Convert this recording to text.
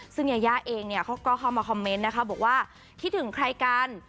ซึ่งยายาเองเนี่ยเขาก็เข้ามาคอมเมนต์นะคะบอกว่าคิดถึงใครกัน